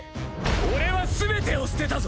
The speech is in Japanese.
俺はすべてを捨てたぞ